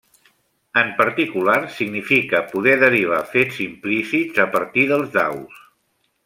En particular, significa poder derivar fets implícits a partir dels daus.